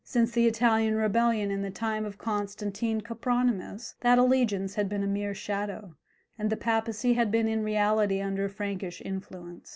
Since the Italian rebellion in the time of Constantine Copronymus, that allegiance had been a mere shadow, and the papacy had been in reality under Frankish influence.